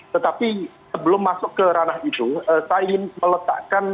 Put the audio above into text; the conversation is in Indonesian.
tetapi sebelum masuk ke ranah itu saya ingin meletakkan